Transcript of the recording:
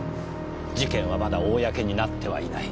事件はまだ公になってはいない。